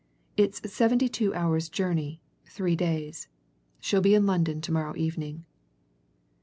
It's seventy two hours' journey three days. She'll be in London tomorrow evening."